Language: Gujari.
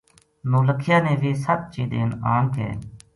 نولکھیا نے ویہ ست چیدین آن کے